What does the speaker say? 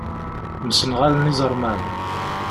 Msenɣalen iẓeṛman.